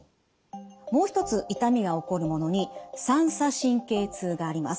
もう一つ痛みが起こるものに三叉神経痛があります。